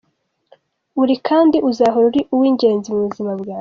Uri kandi uzahora uri uw'ingenzi mu buzima bwanjye.